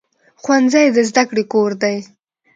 ښوونځی د زده کړې کور دی